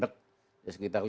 ya itu yang dikandek